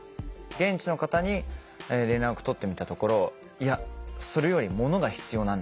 現地の方に連絡取ってみたところいやそれより物が必要なんだから。